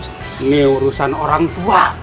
ini urusan orang tua